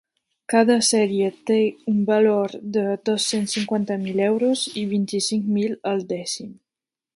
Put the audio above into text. Cada sèrie té un valor de dos-cents cinquanta mil euros i vint-i-cinc mil el dècim.